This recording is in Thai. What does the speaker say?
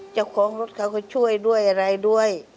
เจ้าของรถเขาก็ช่วยด้วยอะไรด้วย